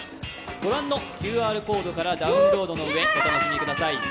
御覧のＱＲコードからダウンロードのうえ御覧ください。